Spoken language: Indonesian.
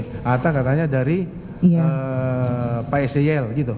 pak hatta katanya dari pak sl gitu